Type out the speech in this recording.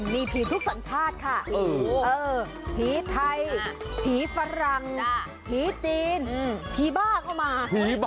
มีผีทุกสัญชาติค่ะผีไทยผีฝรั่งผีจีนผีบ้าก็มา